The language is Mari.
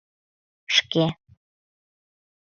— Шке...